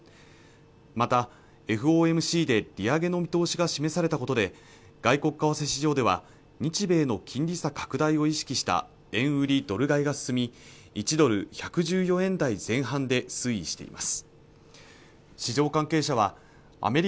またＦＯＭＣで利上げの見通しが示されたことで外国為替市場では日米の金利差拡大を意識した円売りドル買いが進み１ドル１１４円台前半で推移しています